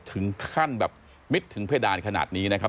ถึงขั้นแบบมิดถึงเพดานขนาดนี้นะครับ